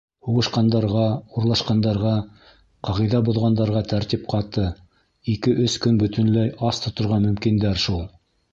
Һуғышҡандарға, урлашҡандарға, ҡағиҙә боҙғандарға тәртип ҡаты, ике-өс көн бөтөнләй ас тоторға мөмкиндәр шул.